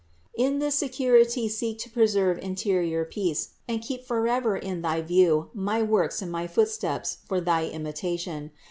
605. In this security seek to preserve interior peace and keep forever in thy view my works and my footsteps for thy imitation.